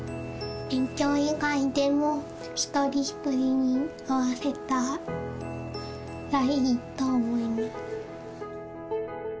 勉強以外でも、一人一人に合わせたらいいと思います。